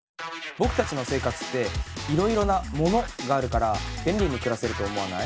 僕たちの生活っていろいろな「もの」があるから便利に暮らせると思わない？